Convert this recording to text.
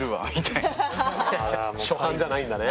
初犯じゃないんだね。